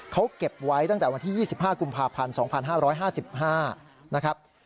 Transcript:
เขาเก็บไว้ตั้งแต่วันที่๒๕กุมภาพันธ์๒๕๕๕นะครับ